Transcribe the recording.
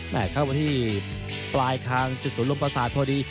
เข้ามาที่ปลายคางจุดศูนลมประสาทพอดี